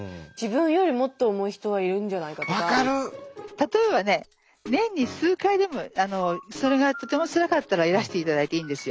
例えばね年に数回でもそれがとてもつらかったらいらしていただいていいんですよ。